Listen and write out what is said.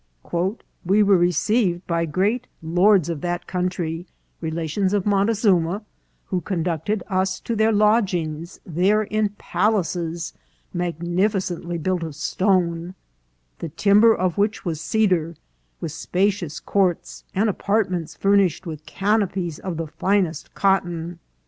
" We were received by great lords of that country, relations of Montezuma, who conducted us to our lodg ings there in palaces magnificently built of stone, the timber of which was cedar, with spacious courts and apartments furnished with canopies of the finest cotton.